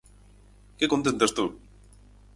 Que contenta estou!